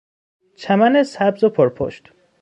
چمن سبز و پر پشت